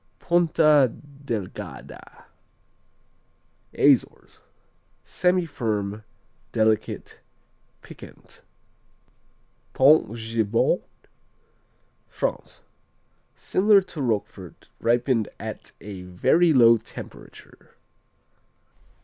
Ponta Delgada Azores Semifirm; delicate; piquant Pontgibaud France Similar to Roquefort Ripened at a very low temperature.